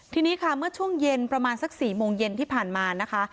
ทีนี้ค่ะเมื่อช่วงเย็นประมาณสัก๔โมงเย็นที่ผ่านมานะคะ